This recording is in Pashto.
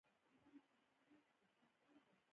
همیانۍ د پیسو د ساتلو وسیله ده